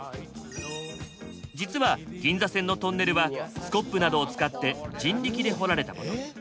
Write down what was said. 実は銀座線のトンネルはスコップなどを使って人力で掘られたもの。